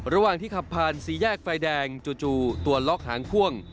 ระหว่างที่ขับผ่านสี่แยกไฟแดงจู่ตัวล็อกหางพ่วง